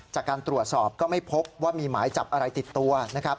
จากการตรวจสอบก็ไม่พบว่ามีหมายจับอะไรติดตัวนะครับ